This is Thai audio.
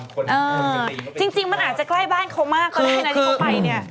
เออจริงมันอาจจะใกล้บ้านเขามากก็ได้นะที่เขาไปเนี่ย